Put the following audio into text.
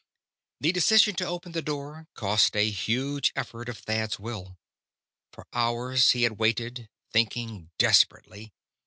The decision to open the door cost a huge effort of Thad's will. For hours he had waited, thinking desperately.